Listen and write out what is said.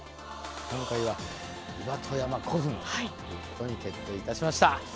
今回は岩戸山古墳ということに決定いたしました。